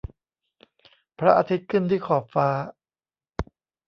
พระอาทิตย์ขึ้นที่ขอบฟ้า